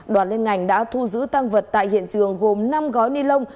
đoàn liên ngành đã thu giữ tăng vật tại hiện trường gồm năm gói ni lông